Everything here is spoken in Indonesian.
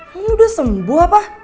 lo udah sembuh apa